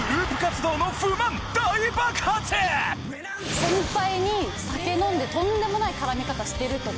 先輩に酒飲んでとんでもない絡み方してるとか。